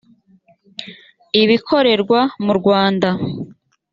ibikorerwa mu rwanda